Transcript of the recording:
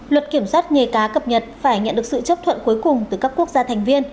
luật kiểm soát nghề cá cập nhật phải nhận được sự chấp thuận cuối cùng từ các quốc gia thành viên